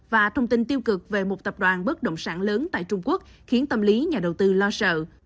và thông tin tiêu cực về một tập đoàn bất động sản lớn tại trung quốc khiến tâm lý nhà đầu tư lo sợ